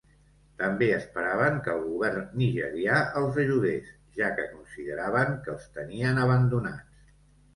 També esperaven que el govern nigerià els ajudés, ja que consideraven que els tenien abandonats.